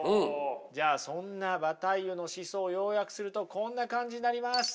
じゃあそんなバタイユの思想を要約するとこんな感じになります。